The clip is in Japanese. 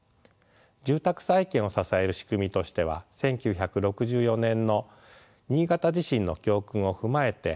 住宅再建を支える仕組みとしては１９６４年の新潟地震の教訓を踏まえて設立された地震保険の仕組みもあります。